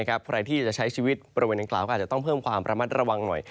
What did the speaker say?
ใครที่จะใช้ชีวิตบริเวณดังกล่าวก็อาจจะต้องเพิ่มความระมัดระวังหน่อย